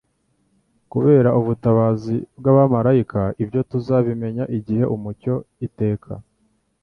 kubera ubutabazi bw'abamarayika; ibyo tuzabimenya igihe umucyo w'iteka